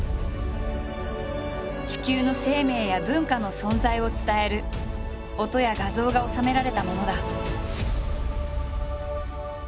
地球の生命や文化の存在を伝える音や画像が収められたものだ。